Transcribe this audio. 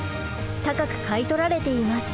高く買い取られています。